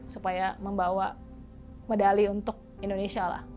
supaya membawa medali untuk indonesia lah